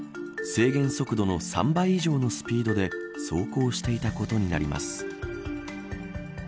動画の投稿者らは制限速度の３倍以上のスピードで走行していたことになります。